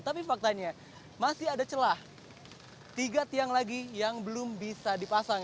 tapi faktanya masih ada celah tiga tiang lagi yang belum bisa dipasang